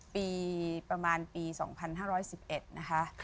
ปีประมาณปี๒๕๑๑นะคะ